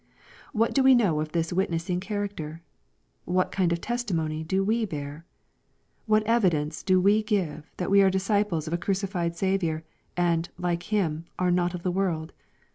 What do we know of this witnessing character ? What kind of testimony do we bear ? What evidence do we give that we are disciples of a crucified Saviour, and, like Him, are "not of the world